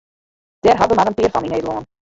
Dêr hawwe wy mar in pear fan yn Nederlân.